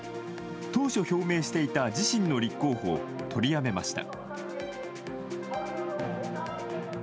当初、表明していた自身の立候補を取りやめました。